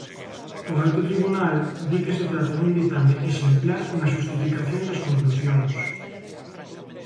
O alto Tribunal di que se trata dun ditame exemplar na xustificación das conclusións.